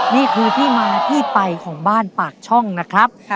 นี่คือที่มาที่ไปของบ้านปากช่องนะครับ